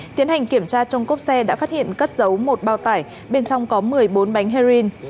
tiến hành kiểm tra trong cốp xe đã phát hiện cất giấu một bao tải bên trong có một mươi bốn bánh heroin